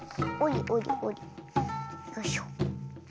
よいしょ。